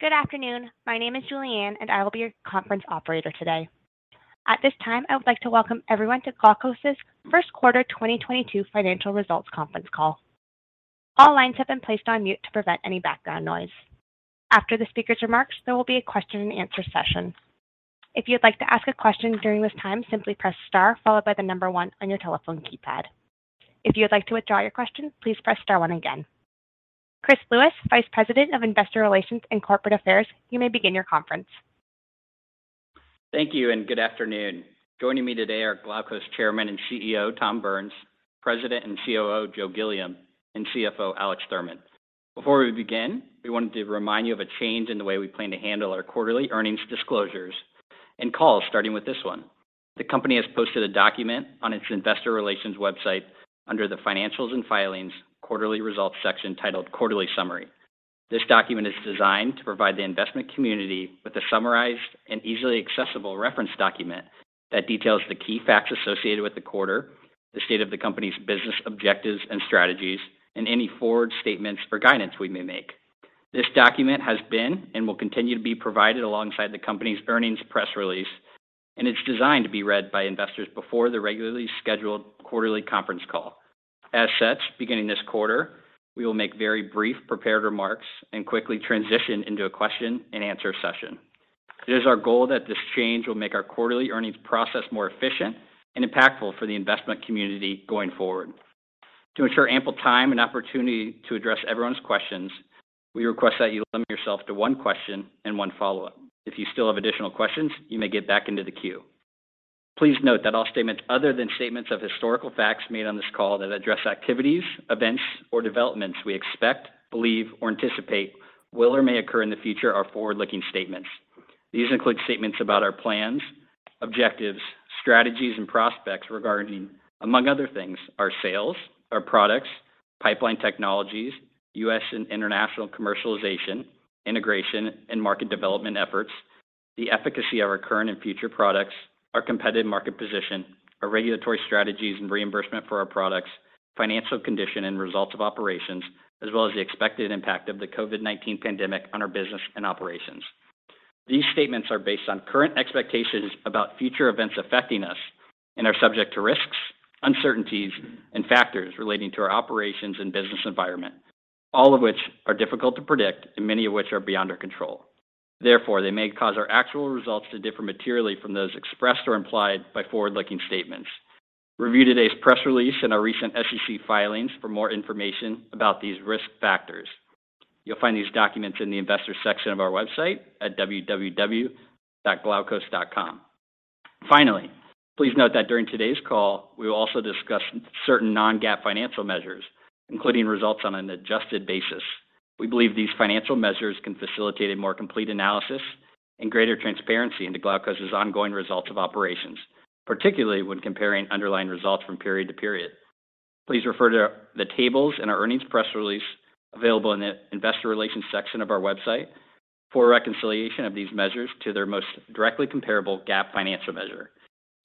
Good afternoon. My name is Julianne, and I will be your conference operator today. At this time, I would like to welcome everyone to Glaukos's first quarter 2022 financial results conference call. All lines have been placed on mute to prevent any background noise. After the speaker's remarks, there will be a question-and-answer session. If you'd like to ask a question during this time, simply press star followed by the number one on your telephone keypad. If you would like to withdraw your question, please press star one again. Chris Lewis, Vice President of Investor Relations and Corporate Affairs, you may begin your conference. Thank you, and good afternoon. Joining me today are Glaukos's Chairman and CEO, Tom Burns, President and COO, Joe Gilliam, and CFO, Alex Thurman. Before we begin, we wanted to remind you of a change in the way we plan to handle our quarterly earnings disclosures and calls starting with this one. The company has posted a document on its investor relations website under the Financials and Filings, Quarterly Results section titled Quarterly Summary. This document is designed to provide the investment community with a summarized and easily accessible reference document that details the key facts associated with the quarter, the state of the company's business objectives and strategies, and any forward statements for guidance we may make. This document has been and will continue to be provided alongside the company's earnings press release, and it's designed to be read by investors before the regularly scheduled quarterly conference call. As such, beginning this quarter, we will make very brief prepared remarks and quickly transition into a question-and-answer session. It is our goal that this change will make our quarterly earnings process more efficient and impactful for the investment community going forward. To ensure ample time and opportunity to address everyone's questions, we request that you limit yourself to one question and one follow-up. If you still have additional questions, you may get back into the queue. Please note that all statements other than statements of historical facts made on this call that address activities, events, or developments we expect, believe, or anticipate will or may occur in the future are forward-looking statements. These include statements about our plans, objectives, strategies, and prospects regarding, among other things, our sales, our products, pipeline technologies, U.S. and international commercialization, integration, and market development efforts, the efficacy of our current and future products, our competitive market position, our regulatory strategies and reimbursement for our products, financial condition and results of operations, as well as the expected impact of the COVID-19 pandemic on our business and operations. These statements are based on current expectations about future events affecting us and are subject to risks, uncertainties, and factors relating to our operations and business environment, all of which are difficult to predict and many of which are beyond our control. Therefore, they may cause our actual results to differ materially from those expressed or implied by forward-looking statements. Review today's press release and our recent SEC filings for more information about these risk factors. You'll find these documents in the investor section of our website at www.glaukos.com. Finally, please note that during today's call, we will also discuss certain non-GAAP financial measures, including results on an adjusted basis. We believe these financial measures can facilitate a more complete analysis and greater transparency into Glaukos's ongoing results of operations, particularly when comparing underlying results from period to period. Please refer to the tables in our earnings press release available in the investor relations section of our website for reconciliation of these measures to their most directly comparable GAAP financial measure.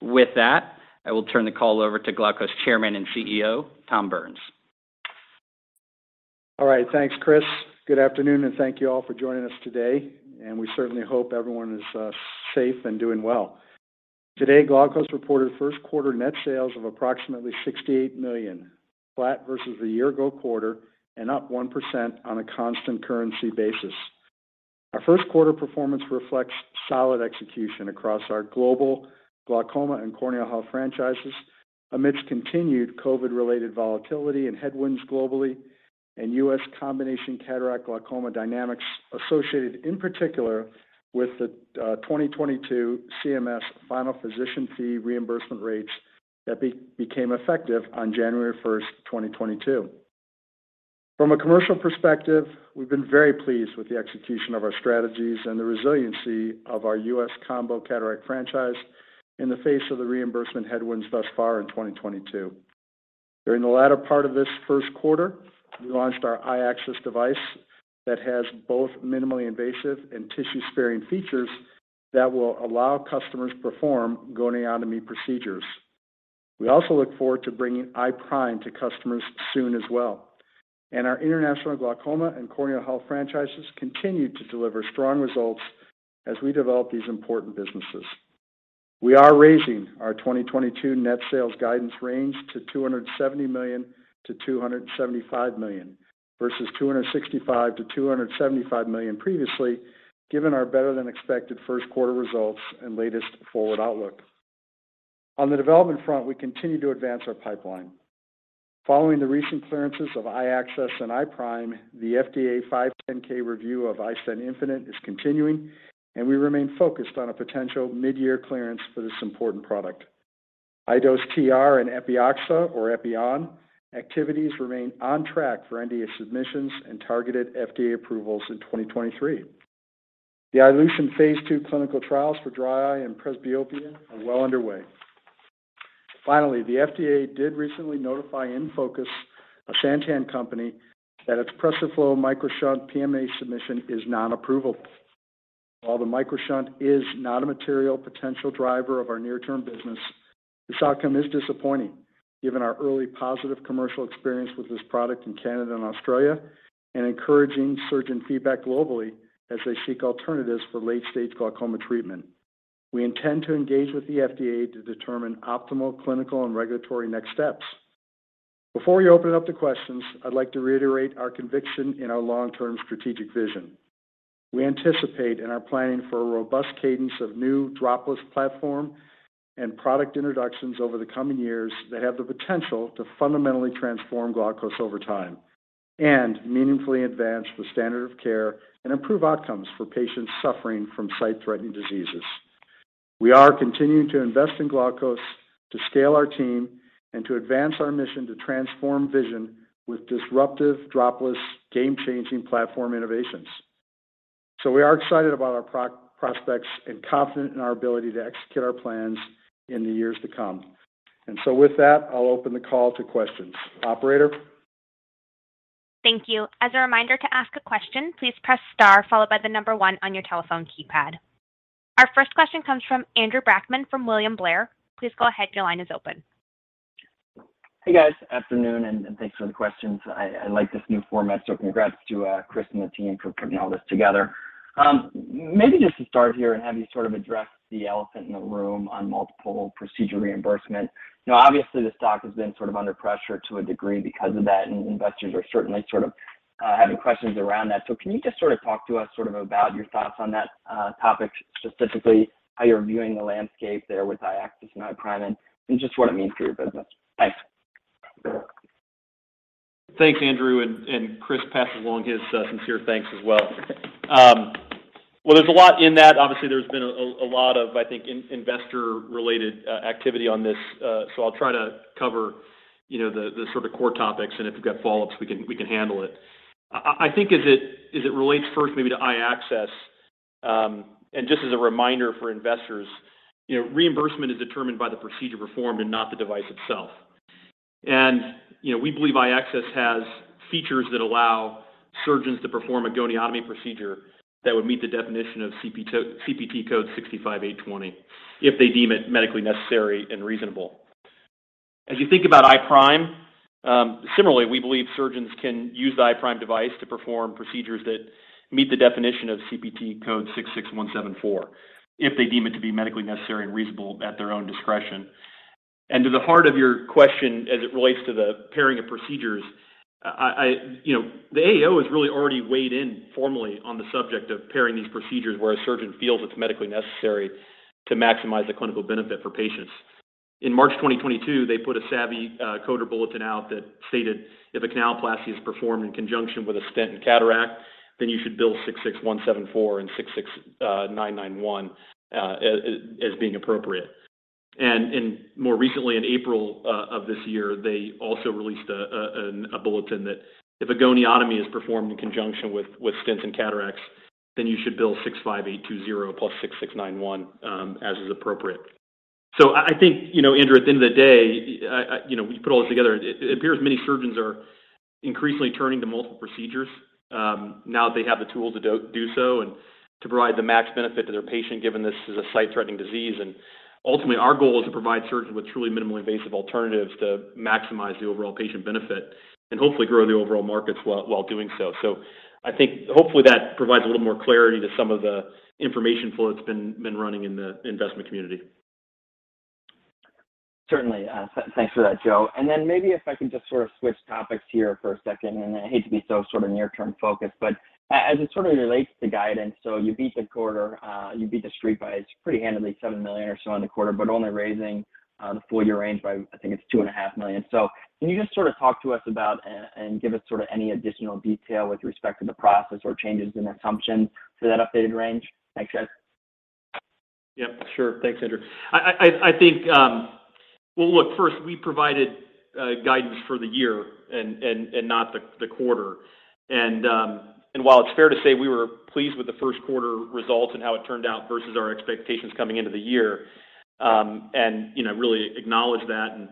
With that, I will turn the call over to Glaukos's Chairman and CEO, Tom Burns. All right. Thanks, Chris. Good afternoon, and thank you all for joining us today, and we certainly hope everyone is safe and doing well. Today, Glaukos reported first quarter net sales of approximately $68 million, flat versus the year-ago quarter and up 1% on a constant currency basis. Our first quarter performance reflects solid execution across our global glaucoma and corneal health franchises amidst continued COVID-19-related volatility and headwinds globally and U.S. combo cataract glaucoma dynamics associated in particular with the 2022 CMS final physician fee reimbursement rates that became effective on January 1, 2022. From a commercial perspective, we've been very pleased with the execution of our strategies and the resiliency of our U.S. combo cataract franchise in the face of the reimbursement headwinds thus far in 2022. During the latter part of this first quarter, we launched our iAccess device that has both minimally invasive and tissue-sparing features that will allow customers perform goniotomy procedures. We also look forward to bringing iPRIME to customers soon as well. Our international glaucoma and corneal health franchises continue to deliver strong results as we develop these important businesses. We are raising our 2022 net sales guidance range to $270 million-$275 million versus $265 million-$275 million previously, given our better than expected first quarter results and latest forward outlook. On the development front, we continue to advance our pipeline. Following the recent clearances of iAccess and iPRIME, the FDA 510(k) review of iStent infinite is continuing, and we remain focused on a potential midyear clearance for this important product. iDose TR and Epioxa or iLution activities remain on track for NDA submissions and targeted FDA approvals in 2023. The iLution phase two clinical trials for dry eye and presbyopia are well underway. The FDA did recently notify InnFocus, a Santen company, that its PRESERFLO MicroShunt PMA submission is non-approvable. While the MicroShunt is not a material potential driver of our near-term business, this outcome is disappointing given our early positive commercial experience with this product in Canada and Australia and encouraging surgeon feedback globally as they seek alternatives for late-stage glaucoma treatment. We intend to engage with the FDA to determine optimal clinical and regulatory next steps. Before we open up to questions, I'd like to reiterate our conviction in our long-term strategic vision. We anticipate and are planning for a robust cadence of new dropless platform and product introductions over the coming years that have the potential to fundamentally transform glaucoma over time and meaningfully advance the standard of care and improve outcomes for patients suffering from sight-threatening diseases. We are continuing to invest in glaucoma to scale our team and to advance our mission to transform vision with disruptive, dropless, game-changing platform innovations. We are excited about our prospects and confident in our ability to execute our plans in the years to come. With that, I'll open the call to questions. Operator? Thank you. As a reminder to ask a question, please press star followed by the number one on your telephone keypad. Our first question comes from Andrew Brackmann from William Blair. Please go ahead. Your line is open. Hey, guys. Afternoon. Thanks for the questions. I like this new format, so congrats to Chris and the team for putting all this together. Maybe just to start here and have you sort of address the elephant in the room on multiple procedure reimbursement. You know, obviously, the stock has been sort of under pressure to a degree because of that, and investors are certainly sort of having questions around that. So can you just sort of talk to us sort of about your thoughts on that topic, specifically how you're viewing the landscape there with iAccess and iPRIME and just what it means for your business? Thanks. Thanks, Andrew, and Chris passes along his sincere thanks as well. Well, there's a lot in that. Obviously, there's been a lot of, I think, investor-related activity on this, so I'll try to cover, you know, the sort of core topics, and if you've got follow-ups, we can handle it. I think as it relates first maybe to iAccess, and just as a reminder for investors, you know, reimbursement is determined by the procedure performed and not the device itself. You know, we believe iAccess has features that allow surgeons to perform a goniotomy procedure that would meet the definition of CPT code 65820 if they deem it medically necessary and reasonable. As you think about iPRIME, similarly, we believe surgeons can use the iPRIME device to perform procedures that meet the definition of CPT code 66174 if they deem it to be medically necessary and reasonable at their own discretion. To the heart of your question as it relates to the pairing of procedures, You know, the AAO has really already weighed in formally on the subject of pairing these procedures where a surgeon feels it's medically necessary to maximize the clinical benefit for patients. In March 2022, they put a Savvy Coder bulletin out that stated if a canaloplasty is performed in conjunction with a stent and cataract, then you should bill 66174 and 66991 as being appropriate. More recently in April of this year, they also released a bulletin that if a goniotomy is performed in conjunction with stents and cataracts, then you should bill 65820 +6691 as is appropriate. I think, you know, Andrew, at the end of the day. You know, when you put all this together, it appears many surgeons are increasingly turning to multiple procedures now that they have the tools to do so and to provide the max benefit to their patient given this is a sight-threatening disease. Ultimately, our goal is to provide surgeons with truly minimally invasive alternatives to maximize the overall patient benefit and hopefully grow the overall markets while doing so. I think hopefully that provides a little more clarity to some of the information flow that's been running in the investment community. Certainly. Thanks for that, Joe. Maybe if I could just sort of switch topics here for a second, I hate to be so sort of near-term focused. As it sort of relates to guidance, you beat the quarter, you beat the street by pretty handily $7 million or so in the quarter, but only raising the full year range by, I think it's $2.5 million. Can you just sort of talk to us about and give us sort of any additional detail with respect to the process or changes in assumptions for that updated range? Thanks, guys. Yep, sure. Thanks, Andrew. I think, well, look, first, we provided guidance for the year and not the quarter. While it's fair to say we were pleased with the first quarter results and how it turned out versus our expectations coming into the year, you know, really acknowledge that.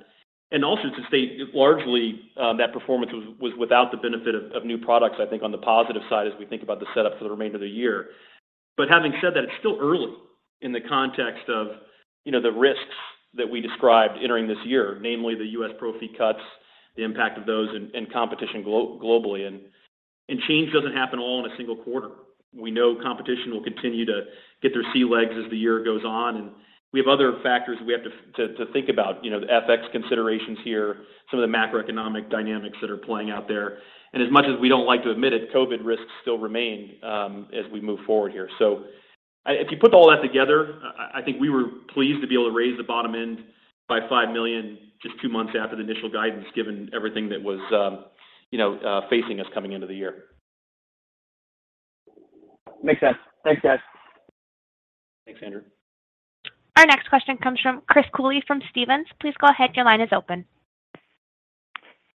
Also to state largely, that performance was without the benefit of new products, I think, on the positive side as we think about the setup for the remainder of the year. Having said that, it's still early in the context of, you know, the risks that we described entering this year. Namely, the U.S. pro fee cuts, the impact of those, and competition globally. Change doesn't happen all in a single quarter. We know competition will continue to get their sea legs as the year goes on, and we have other factors we have to think about. You know, the FX considerations here, some of the macroeconomic dynamics that are playing out there. As much as we don't like to admit it, COVID risks still remain, as we move forward here. If you put all that together, I think we were pleased to be able to raise the bottom end by $5 million just two months after the initial guidance given everything that was, you know, facing us coming into the year. Makes sense. Thanks, guys. Thanks, Andrew. Our next question comes from Chris Cooley from Stephens. Please go ahead. Your line is open.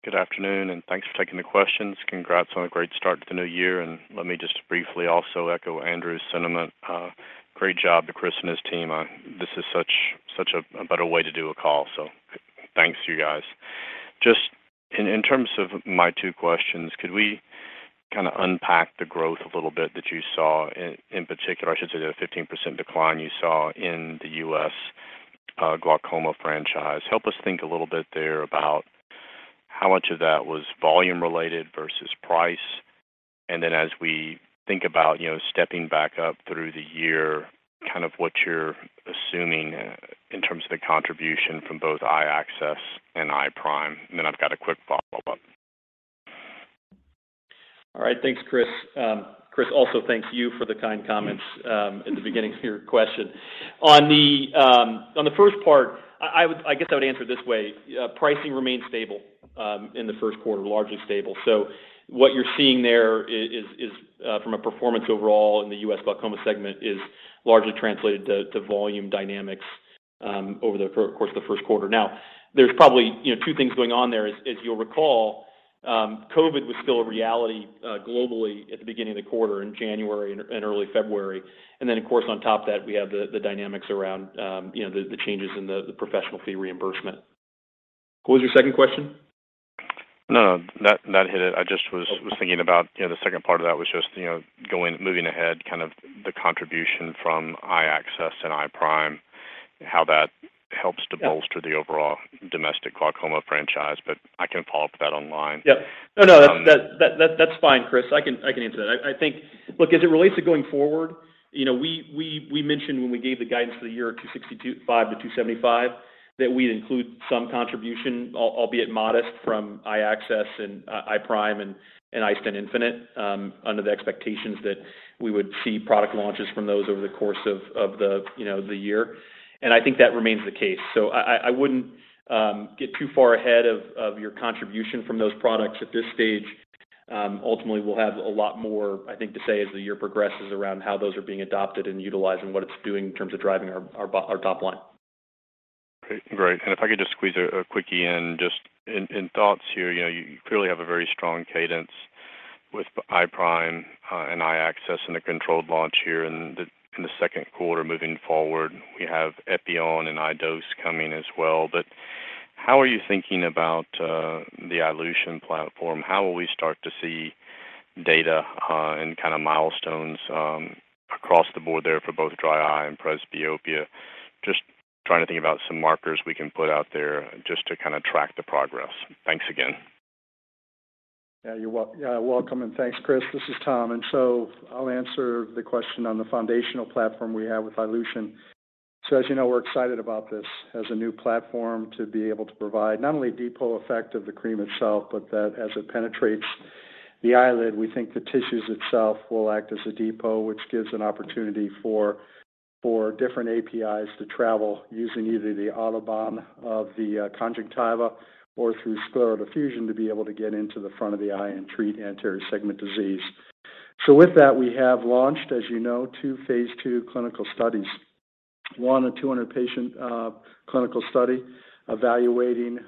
Good afternoon, and thanks for taking the questions. Congrats on a great start to the new year, and let me just briefly also echo Andrew's sentiment. Great job to Chris and his team on this. This is such a better way to do a call, so thanks, you guys. Just in terms of my two questions, could we kinda unpack the growth a little bit that you saw in particular, I should say, the 15% decline you saw in the U.S. glaucoma franchise? Help us think a little bit there about how much of that was volume related versus price. And then as we think about, you know, stepping back up through the year, kind of what you're assuming in terms of the contribution from both iAccess and iPRIME. And then I've got a quick follow-up. All right. Thanks, Chris. Chris also thanks you for the kind comments in the beginning of your question. On the first part, I guess I would answer it this way. Pricing remained stable in the first quarter, largely stable. What you're seeing there is from a performance overall in the U.S. glaucoma segment is largely translated to volume dynamics over the course of the first quarter. Now, there's probably, you know, two things going on there. As you'll recall, COVID was still a reality globally at the beginning of the quarter in January and early February. Then, of course, on top of that, we have the dynamics around the changes in the professional fee reimbursement. What was your second question? No, that hit it. Okay. I was thinking about, you know, the second part of that was just, you know, moving ahead, kind of the contribution from iAccess and iPRIME, how that helps to bolster. Yeah. the overall domestic glaucoma franchise. I can follow up with that online. Yeah. Um. No, that's fine, Chris. I can answer that. I think. Look, as it relates to going forward, you know, we mentioned when we gave the guidance for the year at $262.5 million-$275 million, that we'd include some contribution, albeit modest, from iAccess and iPRIME and iStent infinite, under the expectations that we would see product launches from those over the course of the year, you know. I think that remains the case. I wouldn't get too far ahead of your contribution from those products at this stage. Ultimately, we'll have a lot more, I think, to say as the year progresses around how those are being adopted and utilized and what it's doing in terms of driving our top line. Great. If I could just squeeze a quickie in, just in thoughts here. You know, you clearly have a very strong cadence with iPRIME and iAccess in a controlled launch here in the second quarter moving forward. We have Epioxa and iDose coming as well. How are you thinking about the iLution platform? How will we start to see data and kinda milestones across the board there for both dry eye and presbyopia? Just trying to think about some markers we can put out there just to kinda track the progress. Thanks again. Yeah, welcome, and thanks, Chris. This is Tom. I'll answer the question on the foundational platform we have with iLution. As you know, we're excited about this as a new platform to be able to provide not only depot effect of the cream itself, but that as it penetrates the eyelid, we think the tissues itself will act as a depot, which gives an opportunity for different APIs to travel using either the autobahn of the conjunctiva or through scleral diffusion to be able to get into the front of the eye and treat anterior segment disease. With that, we have launched, as you know, two phase II clinical studies, one a 200-patient clinical study evaluating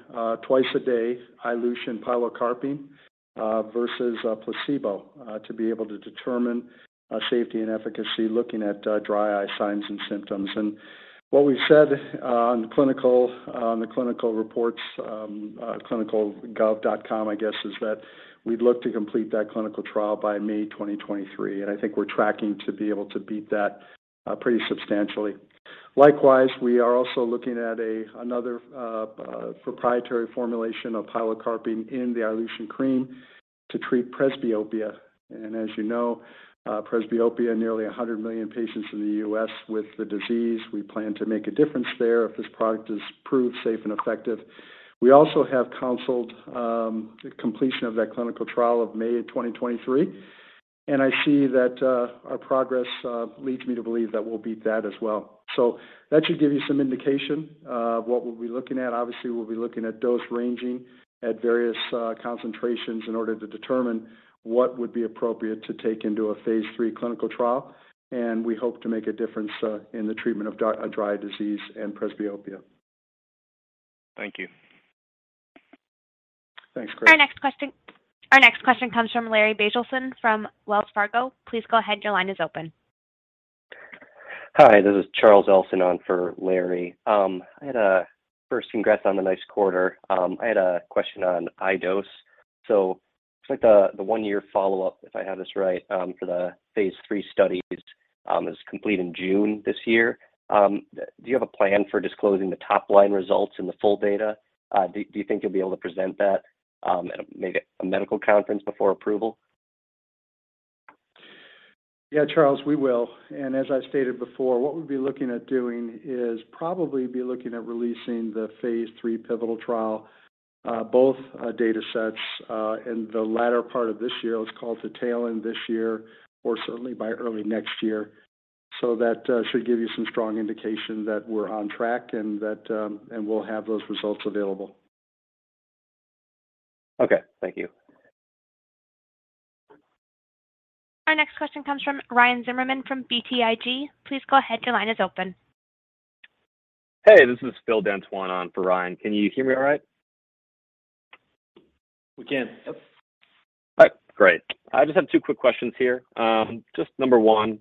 twice a day iLution pilocarpine versus placebo to be able to determine safety and efficacy looking at dry eye signs and symptoms. What we've said on ClinicalTrials.gov, I guess, is that we'd look to complete that clinical trial by May 2023, and I think we're tracking to be able to beat that pretty substantially. Likewise, we are also looking at another proprietary formulation of pilocarpine in the iLution cream to treat presbyopia. As you know, presbyopia, nearly 100 million patients in the U.S. with the disease. We plan to make a difference there if this product is proved safe and effective. We also have counseled completion of that clinical trial of May 2023, and I see that our progress leads me to believe that we'll beat that as well. That should give you some indication of what we'll be looking at. Obviously, we'll be looking at dose ranging at various concentrations in order to determine what would be appropriate to take into a phase 3 clinical trial. We hope to make a difference in the treatment of dry eye disease and presbyopia. Thank you. Thanks, Chris. Our next question comes from Larry Biegelsen from Wells Fargo. Please go ahead. Your line is open. Hi, this is Charles Ellson on for Larry Biegelsen. First, congrats on the nice quarter. I had a question on iDose. It looks like the one-year follow-up, if I have this right, for the phase III studies, is complete in June this year. Do you have a plan for disclosing the top-line results and the full data? Do you think you'll be able to present that at a, maybe a medical conference before approval? Yeah, Charles, we will. As I stated before, what we'll be looking at doing is probably looking at releasing the phase three pivotal trial both datasets in the latter part of this year. Let's call it the tail end this year or certainly by early next year. That should give you some strong indication that we're on track and that we'll have those results available. Okay. Thank you. Our next question comes from Ryan Zimmerman from BTIG. Please go ahead. Your line is open. Hey, this is Phil Dantoin on for Ryan. Can you hear me all right? We can. Yep. All right. Great. I just have two quick questions here. Just number one,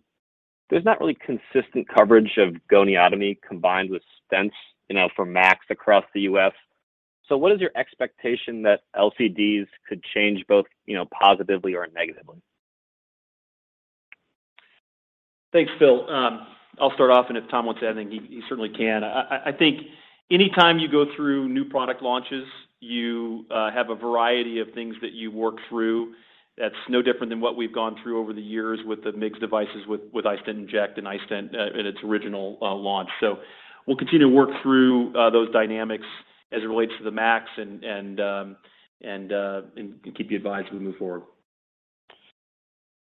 there's not really consistent coverage of goniotomy combined with stents, you know, for MACs across the U.S. What is your expectation that LCDs could change both, you know, positively or negatively? Thanks, Phil. I'll start off, and if Tom wants to add anything, he certainly can. I think anytime you go through new product launches, you have a variety of things that you work through. That's no different than what we've gone through over the years with the MIGS devices with iStent inject and iStent in its original launch. We'll continue to work through those dynamics as it relates to the MIGS and keep you advised as we move forward.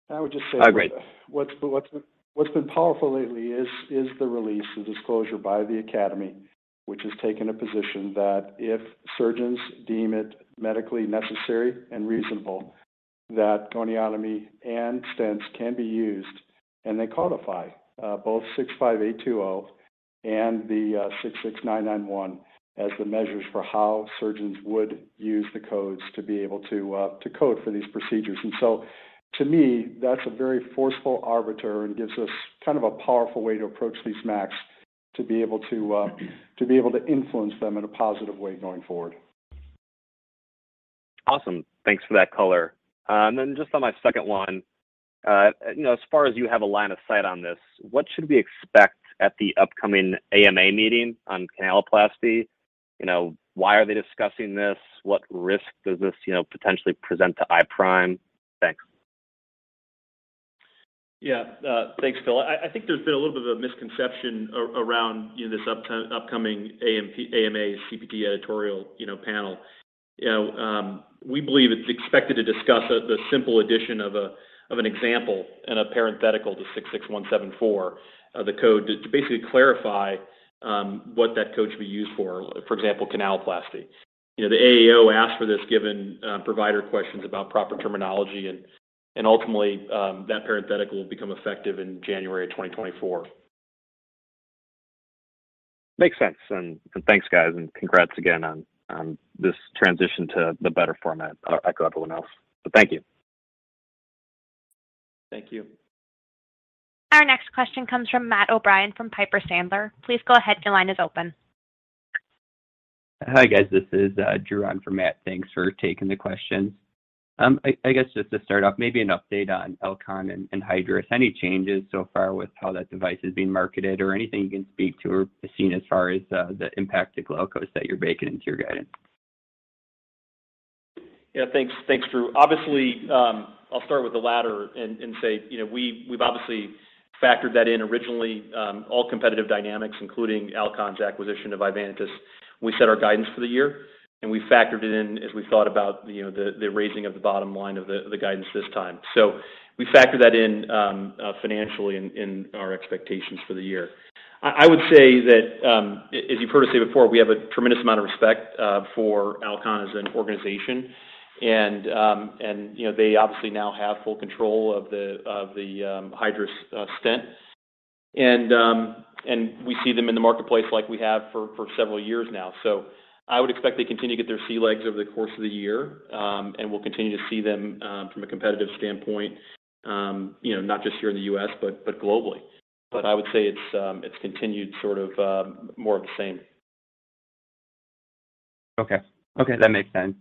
All right. Great. I would just say what's been powerful lately is the release and disclosure by the academy, which has taken a position that if surgeons deem it medically necessary and reasonable, that goniotomy and stents can be used, and they codify both 65820 and the 66991 as the measures for how surgeons would use the codes to be able to code for these procedures. To me, that's a very forceful arbiter and gives us kind of a powerful way to approach these MACs to be able to influence them in a positive way going forward. Awesome. Thanks for that color. Just on my second one, you know, as far as you have a line of sight on this, what should we expect at the upcoming AMA meeting on canaloplasty? You know, why are they discussing this? What risk does this, you know, potentially present to iPRIME? Thanks. Yeah. Thanks, Phil. I think there's been a little bit of a misconception around, you know, this upcoming AMA CPT editorial, you know, panel. You know, we believe it's expected to discuss the simple addition of an example and a parenthetical to 66174, the code to basically clarify what that code should be used for example, canaloplasty. You know, the AAO asked for this given provider questions about proper terminology and ultimately that parenthetical will become effective in January of 2024. Makes sense. Thanks, guys, and congrats again on this transition to the better format, echo everyone else. Thank you. Thank you. Our next question comes from Matt O'Brien from Piper Sandler. Please go ahead. Your line is open. Hi, guys. This is Drew on for Matt. Thanks for taking the question. I guess just to start off, maybe an update on Alcon and Hydrus. Any changes so far with how that device is being marketed or anything you can speak to or have seen as far as the impact to Glaukos's that you're baking into your guidance? Yeah, thanks. Thanks, Drew. Obviously, I'll start with the latter and say, you know, we've obviously factored that in originally, all competitive dynamics, including Alcon's acquisition of Ivantis. We set our guidance for the year, and we factored it in as we thought about, you know, the raising of the bottom line of the guidance this time. We factored that in financially in our expectations for the year. I would say that, as you've heard us say before, we have a tremendous amount of respect for Alcon as an organization. You know, they obviously now have full control of the Hydrus stent. We see them in the marketplace like we have for several years now. I would expect they continue to get their sea legs over the course of the year. We'll continue to see them from a competitive standpoint, you know, not just here in the U.S., but globally. I would say it's continued sort of more of the same. Okay. That makes sense.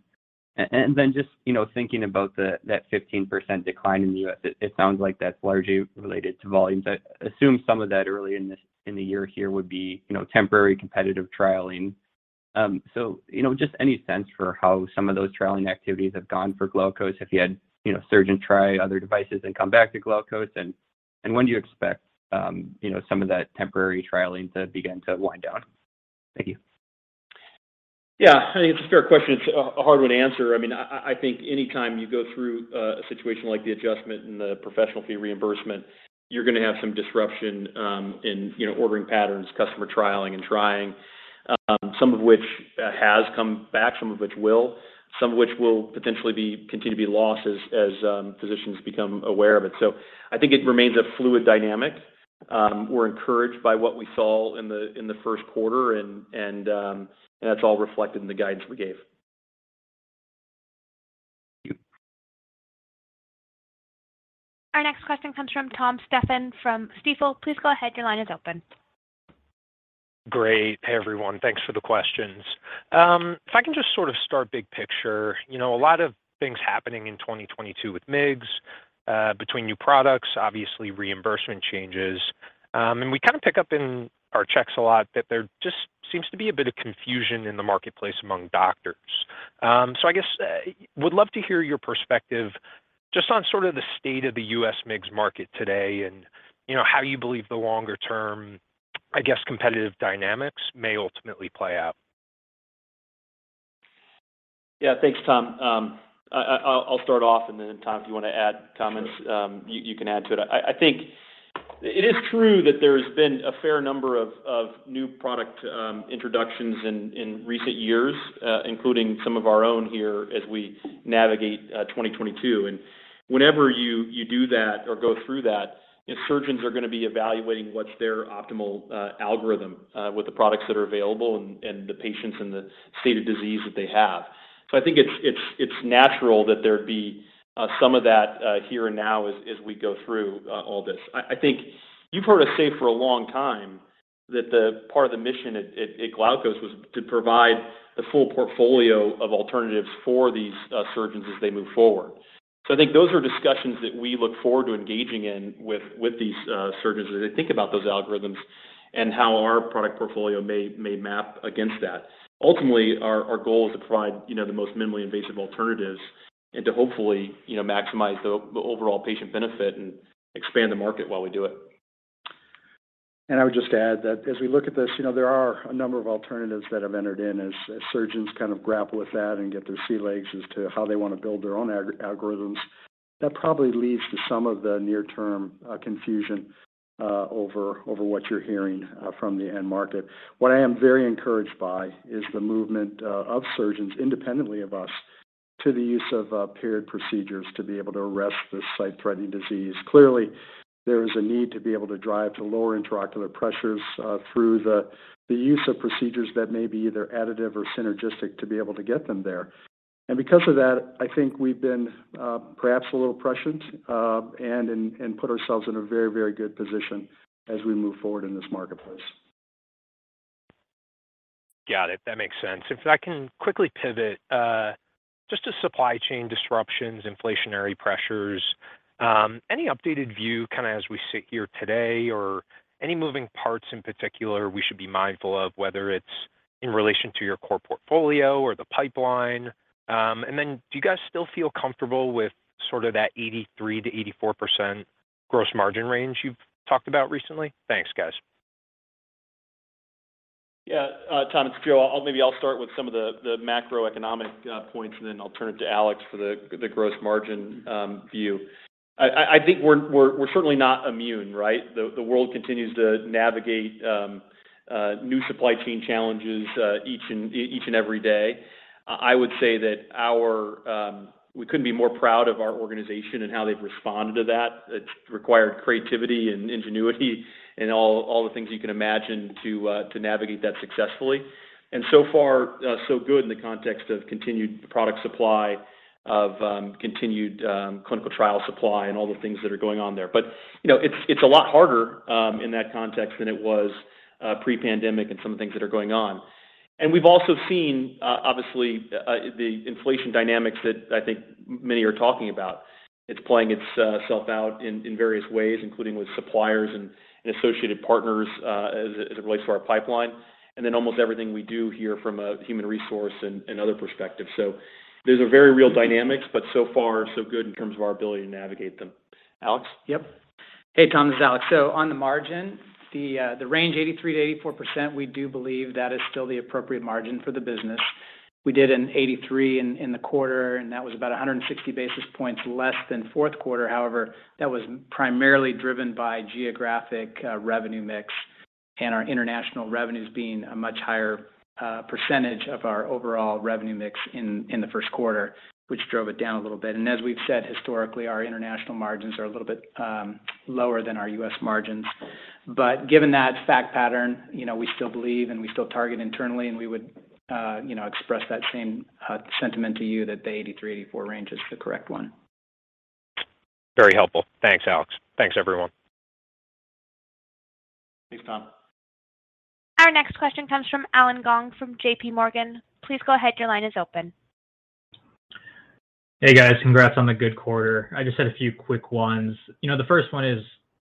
Just, you know, thinking about that 15% decline in the U.S., it sounds like that's largely related to volumes. I assume some of that early in the year here would be, you know, temporary competitive trialing. You know, just any sense for how some of those trialing activities have gone for Glaukos if you had, you know, surgeons try other devices and come back to Glaukos? When do you expect, you know, some of that temporary trialing to begin to wind down? Thank you. Yeah. I think it's a fair question. It's a hard one to answer. I mean, I think anytime you go through a situation like the adjustment and the professional fee reimbursement, you're gonna have some disruption in you know, ordering patterns, customer trialing and trying, some of which has come back, some of which will potentially continue to be lost as physicians become aware of it. I think it remains a fluid dynamic. We're encouraged by what we saw in the first quarter and that's all reflected in the guidance we gave. Thank you. Our next question comes from Tom Stephan from Stifel. Please go ahead. Your line is open. Great. Hey, everyone. Thanks for the questions. If I can just sort of start big picture. You know, a lot of things happening in 2022 with MIGS, between new products, obviously reimbursement changes. We kind of pick up in our checks a lot that there just seems to be a bit of confusion in the marketplace among doctors. I guess, would love to hear your perspective just on sort of the state of the U.S. MIGS market today and, you know, how you believe the longer term, I guess, competitive dynamics may ultimately play out. Yeah. Thanks, Tom. I'll start off and then, Tom, if you wanna add comments. Sure. You can add to it. I think it is true that there has been a fair number of new product introductions in recent years, including some of our own here as we navigate 2022. Whenever you do that or go through that, the surgeons are gonna be evaluating what's their optimal algorithm with the products that are available and the patients and the state of disease that they have. I think it's natural that there'd be some of that here and now as we go through all this. I think you've heard us say for a long time that the part of the mission at Glaukos was to provide the full portfolio of alternatives for these surgeons as they move forward. I think those are discussions that we look forward to engaging in with these surgeons as they think about those algorithms and how our product portfolio may map against that. Ultimately, our goal is to provide, you know, the most minimally invasive alternatives and to hopefully, you know, maximize the overall patient benefit and expand the market while we do it. I would just add that as we look at this, you know, there are a number of alternatives that have entered in as surgeons kind of grapple with that and get their sea legs as to how they wanna build their own algorithms. That probably leads to some of the near-term confusion over what you're hearing from the end market. What I am very encouraged by is the movement of surgeons independently of us to the use of paired procedures to be able to arrest this sight-threatening disease. Clearly, there is a need to be able to drive to lower intraocular pressures through the use of procedures that may be either additive or synergistic to be able to get them there. Because of that, I think we've been perhaps a little prescient, and put ourselves in a very, very good position as we move forward in this marketplace. Got it. That makes sense. If I can quickly pivot just to supply chain disruptions, inflationary pressures, any updated view kind of as we sit here today or any moving parts in particular, we should be mindful of, whether it's in relation to your core portfolio or the pipeline? Then do you guys still feel comfortable with sort of that 83%-84% gross margin range you've talked about recently? Thanks, guys. Yeah. Tom, it's Joe. Maybe I'll start with some of the macroeconomic points, and then I'll turn it to Alex for the gross margin view. I think we're certainly not immune, right? The world continues to navigate new supply chain challenges each and every day. I would say that we couldn't be more proud of our organization and how they've responded to that. It's required creativity and ingenuity and all the things you can imagine to navigate that successfully. So far so good in the context of continued product supply, of continued clinical trial supply, and all the things that are going on there. You know, it's a lot harder in that context than it was pre-pandemic and some of the things that are going on. We've also seen obviously the inflation dynamics that I think many are talking about. It's playing itself out in various ways, including with suppliers and associated partners as it relates to our pipeline, and then almost everything we do here from a human resource and other perspectives. Those are very real dynamics, but so far so good in terms of our ability to navigate them. Alex? Yep. Hey, Tom. This is Alex. On the margin, the range 83%-84%, we do believe that is still the appropriate margin for the business. We did an 83 in the quarter, and that was about 160 basis points less than fourth quarter. However, that was primarily driven by geographic revenue mix and our international revenues being a much higher percentage of our overall revenue mix in the first quarter, which drove it down a little bit. As we've said historically, our international margins are a little bit lower than our U.S. margins. Given that fact pattern, you know, we still believe and we still target internally, and we would, you know, express that same sentiment to you that the 83-84 range is the correct one. Very helpful. Thanks, Alex. Thanks, everyone. Thanks, Tom. Our next question comes from Allen Gong from JPMorgan. Please go ahead. Your line is open. Hey, guys. Congrats on the good quarter. I just had a few quick ones. You know, the first one is,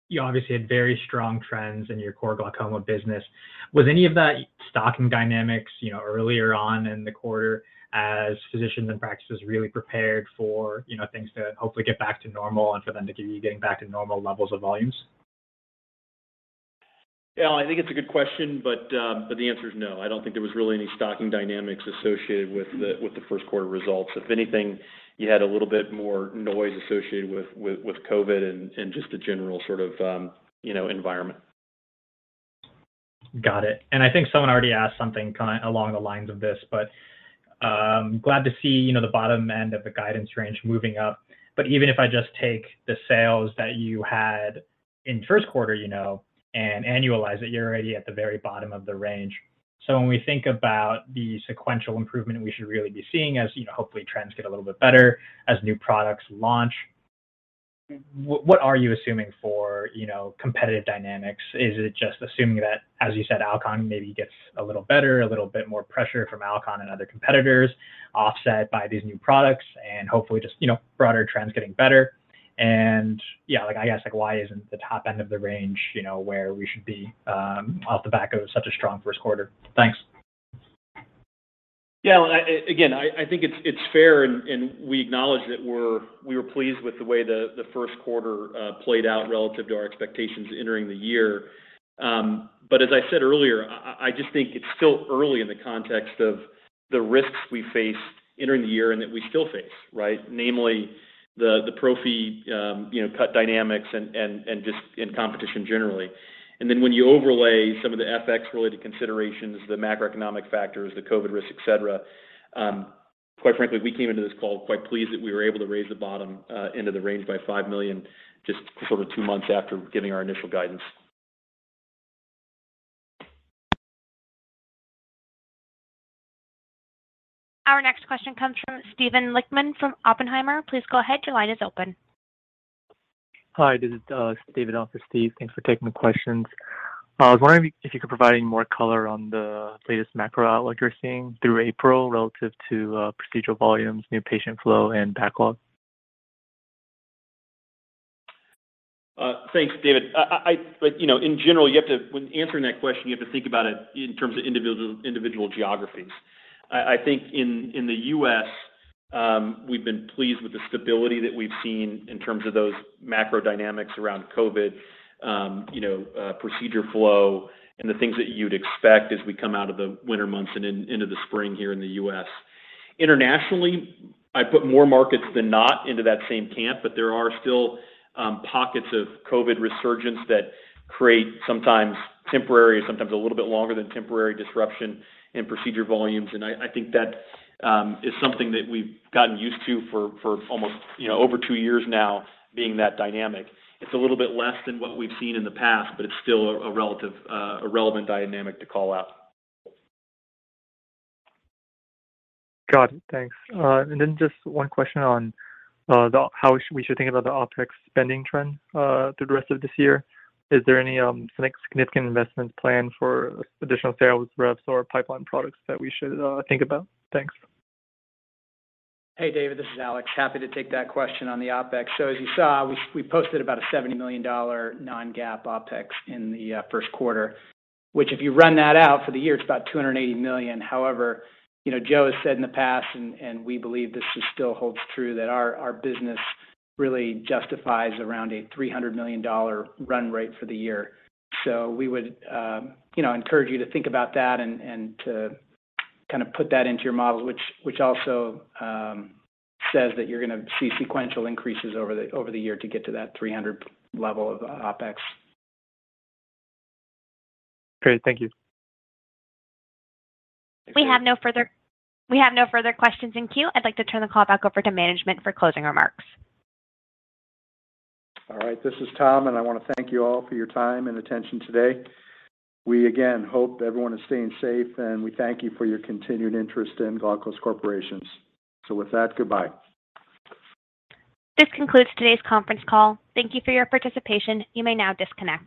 you obviously had very strong trends in your core glaucoma business. Was any of that stocking dynamics, you know, earlier on in the quarter as physicians and practices really prepared for, you know, things to hopefully get back to normal and for them to give you getting back to normal levels of volumes? Yeah. I think it's a good question, but the answer is no. I don't think there was really any stocking dynamics associated with the first quarter results. If anything, you had a little bit more noise associated with COVID and just the general sort of, you know, environment. Got it. I think someone already asked something kind of along the lines of this, but glad to see, you know, the bottom end of the guidance range moving up. Even if I just take the sales that you had in first quarter, you know, and annualize it, you're already at the very bottom of the range. When we think about the sequential improvement we should really be seeing as, you know, hopefully trends get a little bit better as new products launch, what are you assuming for, you know, competitive dynamics? Is it just assuming that, as you said, Alcon maybe gets a little better, a little bit more pressure from Alcon and other competitors offset by these new products and hopefully just, you know, broader trends getting better? Yeah, like, I guess, like, why isn't the top end of the range, you know, where we should be, off the back of such a strong first quarter? Thanks. Yeah. Again, I think it's fair, and we acknowledge that we were pleased with the way the first quarter played out relative to our expectations entering the year. As I said earlier, I just think it's still early in the context of the risks we face entering the year and that we still face, right? Namely the pro fee cut dynamics and just in competition generally. When you overlay some of the FX related considerations, the macroeconomic factors, the COVID risk, et cetera, quite frankly, we came into this call quite pleased that we were able to raise the bottom into the range by $5 million just sort of two months after giving our initial guidance. Our next question comes from Steven Lichtman from Oppenheimer. Please go ahead. Your line is open. Hi, this is Steven, also Steve. Thanks for taking the questions. I was wondering if you could provide any more color on the latest macro-outlook you're seeing through April relative to procedural volumes, new patient flow, and backlog. Thanks, David. Like, you know, in general, when answering that question, you have to think about it in terms of individual geographies. I think in the U.S., we've been pleased with the stability that we've seen in terms of those macro dynamics around COVID, you know, procedure flow and the things that you'd expect as we come out of the winter months and into the spring here in the U.S. Internationally, I put more markets than not into that same camp, but there are still pockets of COVID resurgence that create sometimes temporary, sometimes a little bit longer than temporary disruption in procedure volumes. I think that is something that we've gotten used to for almost, you know, over two years now being that dynamic. It's a little bit less than what we've seen in the past, but it's still a relevant dynamic to call out. Got it. Thanks. Then just one question on how we should think about the OpEx spending trend through the rest of this year. Is there any significant investments planned for additional sales reps or pipeline products that we should think about? Thanks. Hey, David, this is Alex Thurman. Happy to take that question on the OpEx. As you saw, we posted about a $70 million non-GAAP OpEx in the first quarter, which if you run that out for the year, it's about $280 million. However, you know, Joe Gilliam has said in the past and we believe this just still holds true that our business really justifies around a $300 million run rate for the year. We would, you know, encourage you to think about that and to kind of put that into your model, which also says that you're gonna see sequential increases over the year to get to that $300 level of OpEx. Great. Thank you. We have no further questions in queue. I'd like to turn the call back over to management for closing remarks. All right. This is Tom, and I wanna thank you all for your time and attention today. We again hope everyone is staying safe, and we thank you for your continued interest in Glaukos Corporation. With that, goodbye. This concludes today's conference call. Thank you for your participation. You may now disconnect.